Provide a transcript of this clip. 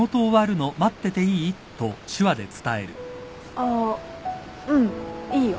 ああうんいいよ。